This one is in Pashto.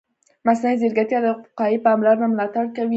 مصنوعي ځیرکتیا د وقایوي پاملرنې ملاتړ کوي.